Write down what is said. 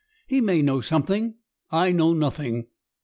He may know something. I know nothing."